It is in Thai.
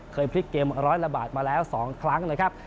เคยพลิกเกมร้อยละบาทมาแล้ว๒ครั้งนะครับ